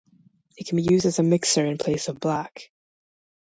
It can be used as a mixer in place of black.